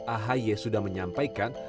ahi sudah menyampaikan